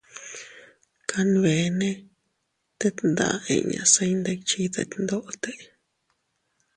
Kanbene tet nda inña se iyndikchiy detndote.